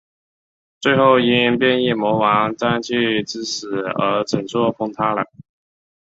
最后因变异魔王膻气之死而整座崩塌了。